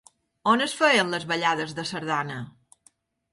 On es feien les ballades de sardana?